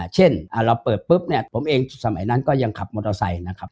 เช่นเราเปิดปุ๊บเนี่ยผมเองสมัยนั้นก็ยังขับมอเตอร์ไซค์นะครับ